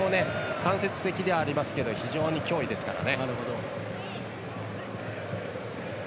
間接的ではありますが非常に脅威ですからね。